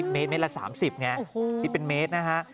เมตรเมตรละ๓๐ไงนี่เป็นเมตรนะฮะ